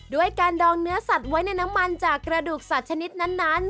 ด้วยการดองเนื้อสัตว์ไว้ในน้ำมันจากกระดูกสัตว์ชนิดนั้น